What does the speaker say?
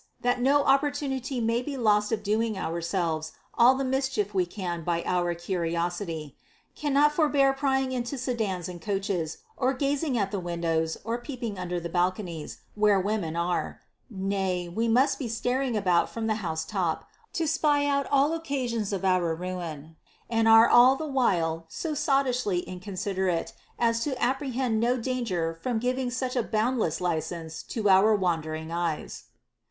(that no opportunity may be lost of doing our 4 42 OF IXQUISITIVEXESS selves all the mischief we can by our curiosity) cannot forbear prying into sedans and coaches, or gazing at the windows or peeping under the balconies, where women are ; nay, we must be staring about from the house top, to spy out all occasions of our ruin, and are all the while so sottishly inconsiderate as to apprehend no danger from giving such a boundless license to our wandering eyes.